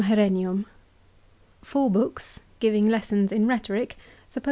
Rheticorum Four books, giving lessons in Rhetoric ; supposed C.